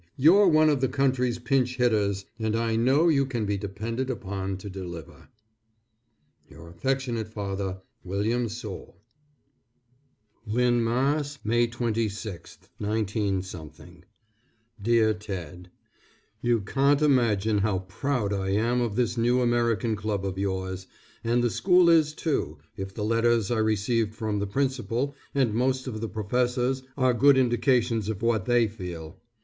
You're one of the country's pinch hitters, and I know you can be depended upon to deliver. Your affectionate father, WILLIAM SOULE. LYNN, MASS., _May 26, 19 _ DEAR TED: You can't imagine how proud I am of this new American Club of yours, and the school is too, if the letters I received from the principal, and most of the professors are good indications of what they feel.